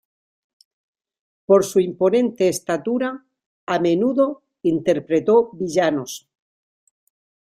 Por su imponente estatura, a menudo interpretó villanos.